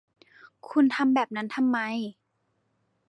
คุณทำแบบนั้นทำไม